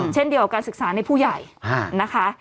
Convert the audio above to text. เช่นเดียวกับการศึกษาในผู้ใหญ่นะคะ